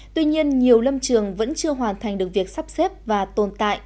tuy nhiên nhiều lâm trường vẫn chưa hoàn thành được việc sắp xếp và tồn tại